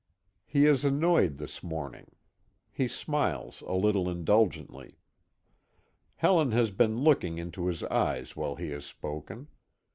He is annoyed this morning. He smiles a little indulgently. Helen has been looking into his eyes while he has spoken.